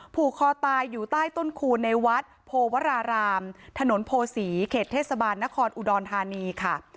ผูกคอตายอยู่ใต้ต้นคูณในวัดโพวรารามถนนโพศีเขตเทศบาลนครอุดรธานีค่ะ